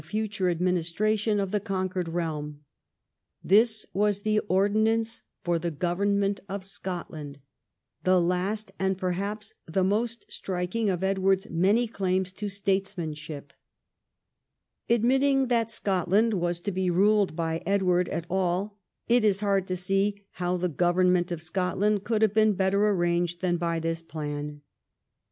From their joint deliberations sprang the " Ordinance for the Government of Scotland," the last and perhaps the most striking of Edward's many claims to statesmanship. Admitting that Scotland was to be ruled by Edward at all, it is hard to see how the government of Scotland could have been better arranged than by this plan.